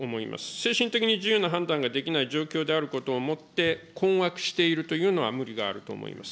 精神的に自由な判断ができない状況であることをもって困惑しているというのは無理があると思います。